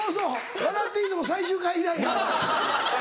『笑っていいとも！』最終回以来やわ。